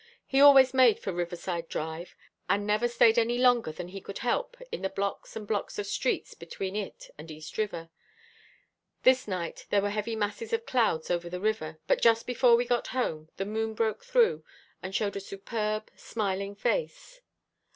He always made for Riverside Drive, and never stayed any longer than he could help in the blocks and blocks of streets between it and East River. This night there were heavy masses of clouds over the river, but just before we got home, the moon broke through, and showed a superb, smiling face.